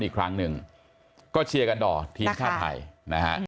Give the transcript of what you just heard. อีกครั้งหนึ่งก็เชียร์กันต่อทีมชาติไทยนะฮะ